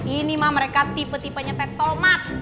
ini mah mereka tipe tipe nyetek tomat